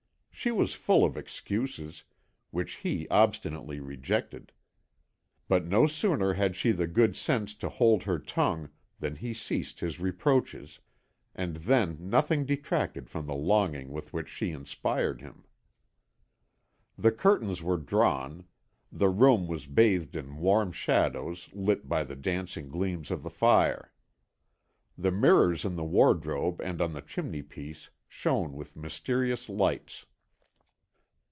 She was full of excuses, which he obstinately rejected. But no sooner had she the good sense to hold her tongue than he ceased his reproaches, and then nothing detracted from the longing with which she inspired him. The curtains were drawn, the room was bathed in warm shadows lit by the dancing gleams of the fire. The mirrors in the wardrobe and on the chimney piece shone with mysterious lights.